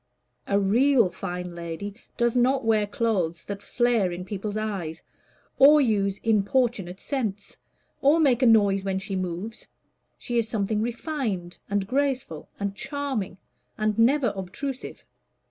"A real fine lady does not wear clothes that flare in people's eyes, or use importunate scents, or make a noise as she moves: she is something refined and graceful, and charming, and never obtrusive."